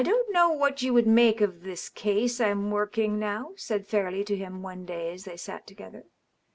I don't know what you would make out of this case Fm workinff now," said Fairleigh to him, one day, as they sat together.